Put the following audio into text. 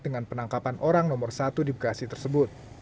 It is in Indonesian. dengan penangkapan orang nomor satu di bekasi tersebut